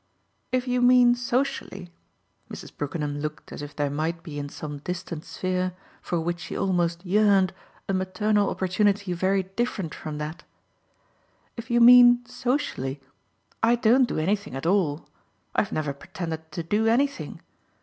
"If you mean socially" Mrs. Brookenham looked as if there might be in some distant sphere, for which she almost yearned, a maternal opportunity very different from that "if you mean socially, I don't do anything at all. I've never pretended to do anything.